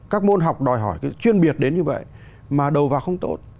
các môn học đòi hỏi cái chuyên biệt đến như vậy mà đầu vào không tốt